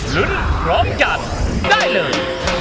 ลุ้นพร้อมกันได้เลย